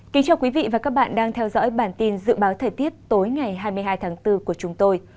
cảm ơn các bạn đã theo dõi và ủng hộ cho bản tin dự báo thời tiết tối ngày hai mươi hai tháng bốn của chúng tôi